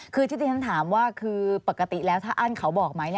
คือที่ที่ฉันถามว่าคือปกติแล้วถ้าอั้นเขาบอกไหม